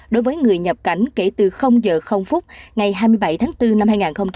đối với người nhập cảnh kể từ giờ phút ngày hai mươi bảy tháng bốn năm hai nghìn hai mươi